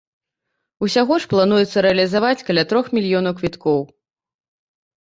Усяго ж плануецца рэалізаваць каля трох мільёнаў квіткоў.